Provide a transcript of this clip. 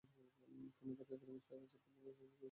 তিনি তাকে একাডেমির সেরা ছাত্রী বলে প্রশংসা করেছিলেন।